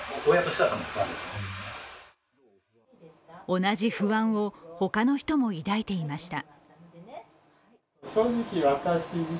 同じ不安を他の人も抱いていました。